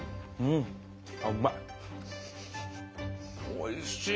おいしい！